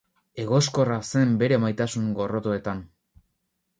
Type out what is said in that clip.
Egoskorra zen bere maitasun-gorrotoetan.